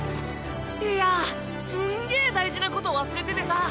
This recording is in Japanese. いやすんげぇ大事なこと忘れててさ。